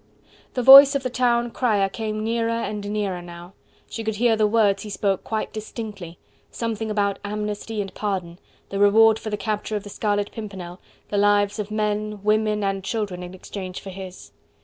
The voice of the town crier came nearer and nearer now: she could hear the words he spoke quite distinctly: something about "amnesty" and pardon, the reward for the capture of the Scarlet Pimpernel, the lives of men, women and children in exchange for his.